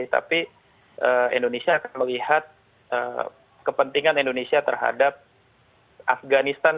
tapi indonesia akan melihat kepentingan indonesia terhadap afganistan